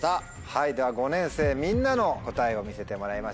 では５年生みんなの答えを見せてもらいましょう。